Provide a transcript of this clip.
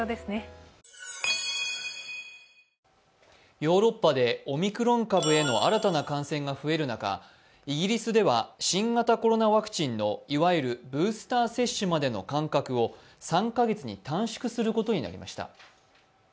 ヨーロッパでオミクロン株への新たな感染が増える中、イギリスでは新型コロナワクチンのいわゆるブースター接種までの間隔を３カ月に短縮することになりました。